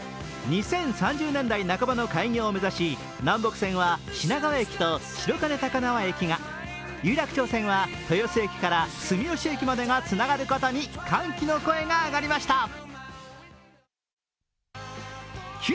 ２０３０年代半ばの開業を目指し南北線は品川駅と白金高輪駅が、有楽町線は豊洲駅から住吉駅までがつながることに歓喜の声が上がりました。